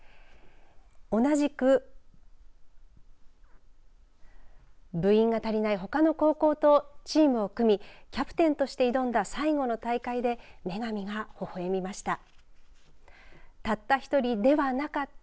同じく部員が足りないほかの高校とチームを組みキャプテンとして挑んだ最後の大会で女神が、ほほ笑みました。